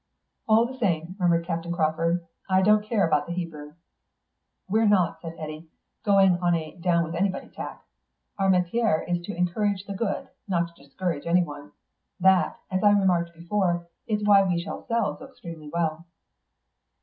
"All the same," murmured Captain Crawford, "I don't care about the Hebrew." "We're not," said Eddy, "going on a down with anybody tack. Our métier is to encourage the good, not to discourage anyone. That, as I remarked before, is why we shall sell so extremely well."